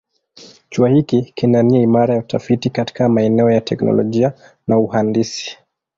Chuo hiki kina nia imara ya utafiti katika maeneo ya teknolojia na uhandisi.